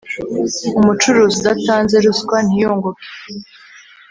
umucuruzi udatanze ruswa ntiyunguke,